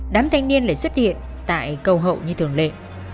đám thanh niên lại xuất hiện tại câu hậu như thường lệ